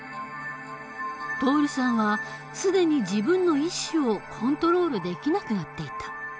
徹さんは既に自分の意思をコントロールできなくなっていた。